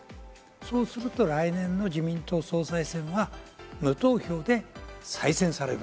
そうすると来年の自民党総裁選は無投票で再選される。